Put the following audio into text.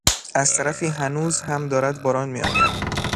از طرفی هنوز هم دارد باران میآید.